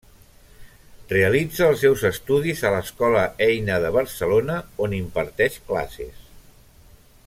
Realitza els seus estudis a l'Escola Eina de Barcelona on imparteix classes.